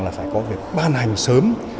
là phải có việc ban hành sớm